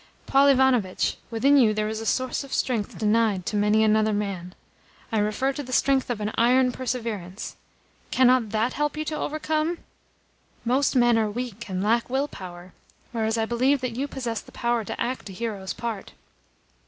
Paul Ivanovitch, within you there is a source of strength denied to many another man. I refer to the strength of an iron perseverance. Cannot THAT help you to overcome? Most men are weak and lack will power, whereas I believe that you possess the power to act a hero's part."